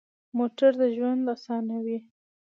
موټر د ژوند اسانوي.